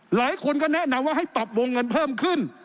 หลายคนก็แนะนำว่าให้ปรับวงเงินเพิ่มขึ้น